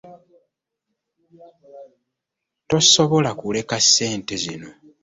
Tosobola kuleka ssente zino.